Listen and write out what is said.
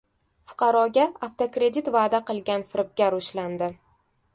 Fuqaroga avtokredit va’da qilgan firibgar ushlandi